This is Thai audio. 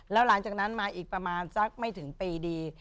แล้วหลังจากนั้นมาอีกประมาณสักไม่ถึงปีดี